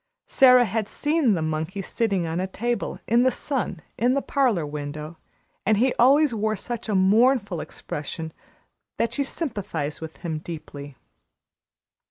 Sara had seen the monkey sitting on a table, in the sun, in the parlor window, and he always wore such a mournful expression that she sympathized with him deeply.